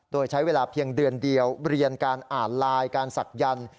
โดยใช้เวลาเพียงเดือนเดียวเรียนการอ่านไลน์การศักยันต์